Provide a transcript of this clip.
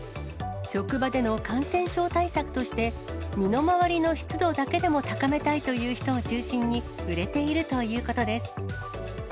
職場での感染症対策として、身の回りの湿度だけでも高めたいという人を中心に、売れているということです。